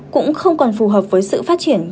cũng không còn phù hợp với sự phát triển